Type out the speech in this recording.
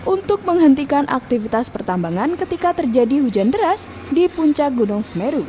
untuk menghentikan aktivitas pertambangan ketika terjadi hujan deras di puncak gunung semeru